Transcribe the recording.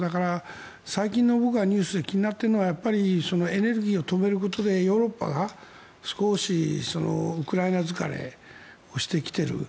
最近のニュースで気になってるのはエネルギーを止めることでヨーロッパが少しウクライナ疲れをしてきている。